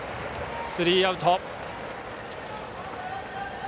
スリーアウト。